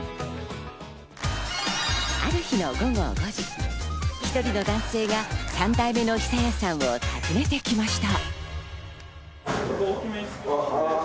ある日の午後５時、１人の男性が三代目の久弥さんを訪ねてきました。